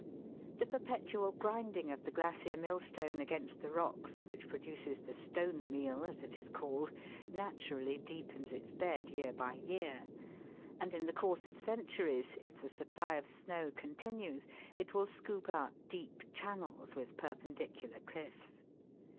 The perpetual grinding of the glacier mill stone against the rocks which produces the "stone meal," as it is called, naturally deepens its bed year by year ; and in the course of centuries, if the supply of snow continues, it will scoop out deep channels with perpendicular cliffs.